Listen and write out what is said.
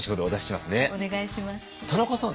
田中さん